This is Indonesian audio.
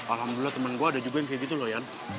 alhamdulillah temen gue ada juga yang kayak gitu lo ian